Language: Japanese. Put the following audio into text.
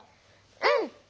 うん！